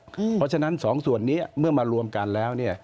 เพราะฉะนั้น๒ส่วนนี้เมื่อมารวมกันแล้ว